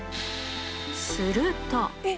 すると。